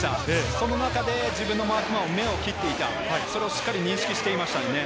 その中で自分のマークマンの目を切っていた、それをしっかり認識していましたよね。